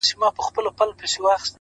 بيا يوازيتوب دی بيا هغه راغلې نه ده،